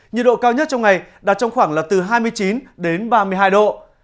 nhiệt độ cao nhất trong ngày đạt trong khoảng là từ hai mươi chín đến ba mươi hai độ